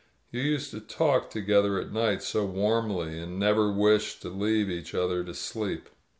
You used to talk together at night so warmly, and never wished to leave each other to sleep.